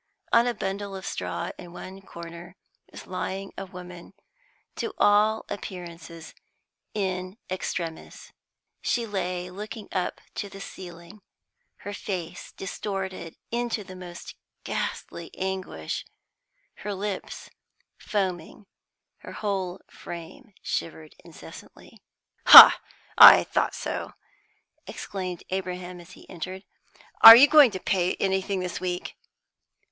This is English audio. On a bundle of straw in one corner was lying a woman, to all appearances in extremis. She lay looking up to the ceiling, her face distorted into the most ghastly anguish, her lips foaming; her whole frame shivered incessantly. "Ha, I thought so," exclaimed Abraham as he entered. "Are you going to pay anything this week?"